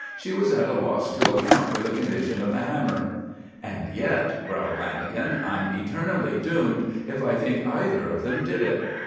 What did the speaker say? She was at a loss to account for the condition of the hammer. "And yet," growled Lanagan, "I'm eternally doomed if I think either of them did it.